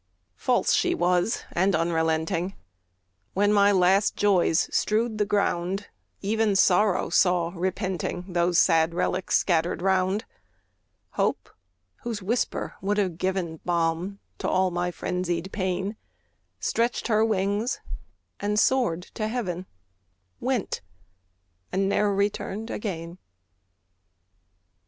False she was, and unrelenting; When my last joys strewed the ground, Even Sorrow saw, repenting, Those sad relics scattered round; Hope, whose whisper would have given Balm to all my frenzied pain, Stretched her wings, and soared to heaven, Went, and ne'er returned again!